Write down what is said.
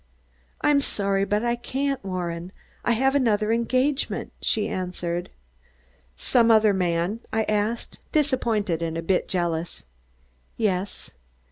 "I'm sorry, but I can't, Warren. I have another engagement," she answered. "Some other man?" I asked, disappointed and a bit jealous. "Yes."